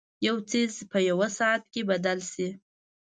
یو څیز په یوه ساعت کې بدل شي.